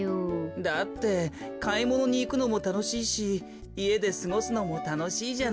だってかいものにいくのもたのしいしいえですごすのもたのしいじゃない。